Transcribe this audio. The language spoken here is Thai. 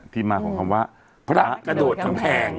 ที่มาของคำว่าพระกระโดดกำแพง